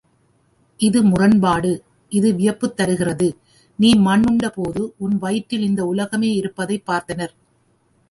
இது முரண்பாடு இது வியப்புத் தருகிறது. நீ மண்உண்டபோது உன் வயிற்றில் இந்த உலகமே இருப்பதைப் பார்த்தனர்.